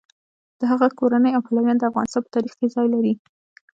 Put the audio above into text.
د هغه کورنۍ او پلویان د افغانستان په تاریخ کې ځای لري.